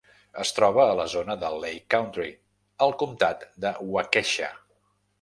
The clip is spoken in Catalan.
Es troba a la zona de "Lake Country", al comtat de Waukesha.